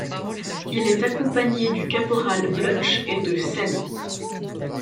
Il est accompagné du caporal Blutch et de Sallie.